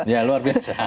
ya luar biasa